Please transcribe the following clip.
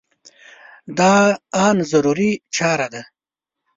دا ان ضروري چاره ده.